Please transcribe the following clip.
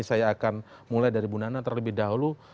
saya akan mulai dari bu nana terlebih dahulu